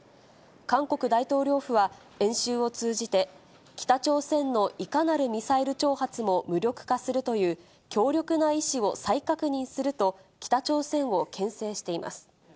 韓国大統領府は、演習を通じて、北朝鮮のいかなるミサイル兆発も無力化するという強力な意志を再確認すると、北朝鮮をけん制しています。